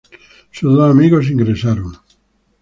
Sus dos amigos ingresaron.